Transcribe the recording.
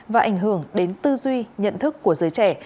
và ảnh hưởng đến tư duy nhận thức của giới trẻ